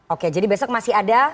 oke jadi besok masih ada